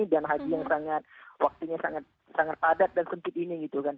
dan haji yang waktunya sangat padat dan sempit ini gitu kan